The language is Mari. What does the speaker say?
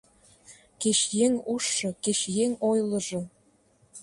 Кеч еҥ ужшо, кеч еҥ ойлыжо